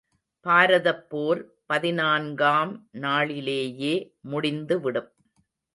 பாரதப்போர் பதினான்காம் நாளிலேயே முடிந்துவிடும்.